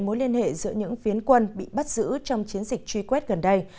mối liên hệ giữa những phiến quân bị bắt giữ trong chiến dịch truy quét gần đây